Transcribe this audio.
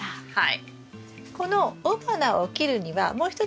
はい。